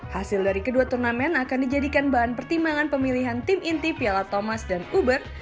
hasil dari kedua turnamen akan dijadikan bahan pertimbangan pemilihan tim inti piala thomas dan uber